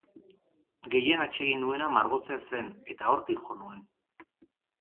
Gehien atsegin nuena margotzea zen eta hortik jo nuen.